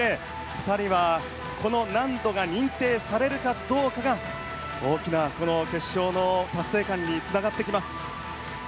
２人はこの難度が認定されるかどうかが大きな決勝の達成感につながってきます。